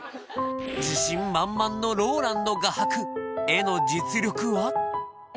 自信満々のＲＯＬＡＮＤ画伯絵の実力は？